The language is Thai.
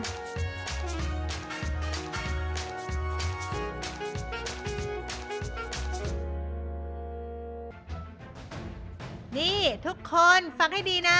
นี่ทุกคนฟังให้ดีนะ